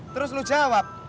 terus lo jawab